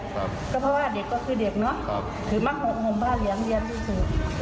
ครับก็เพราะว่าเด็กก็คือเด็กเนาะครับถือมักห่วงห่วงพ่าเหรียญเรียนที่สุด